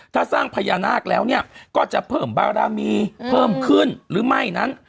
ถ้าสร้างพญานาคแล้วเนี่ยก็จะเพิ่มบารมีเพิ่มขึ้นหรือไม่นั้น